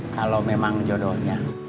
kalau memang jodohnya